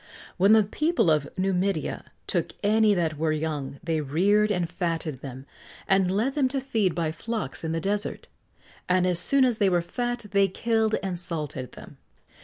When the people of Numidia took any that were young, they reared and fatted them, and led them to feed by flocks in the Desert; and as soon as they were fat they killed and salted them.